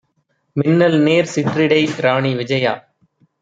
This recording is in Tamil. மின்னல்நேர் சிற்றிடை ராணி விஜயா